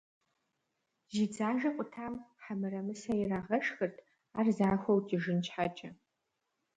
Зи дзажэ къутам хьэ мырамысэ ирагъэшхырт, ар захуэу кӀыжын щхьэкӀэ.